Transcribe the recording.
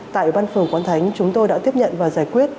tại băn phường quán thánh chúng tôi đã tiếp nhận và giải quyết